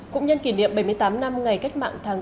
cũng nhân kỷ niệm bảy mươi tám năm ngày cách mạng tháng tám